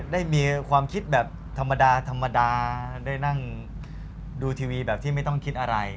ได้มีความคิดแบบธรรมดาธรรมดาได้นั่งดูทีวีแบบที่ไม่ต้องคิดอะไร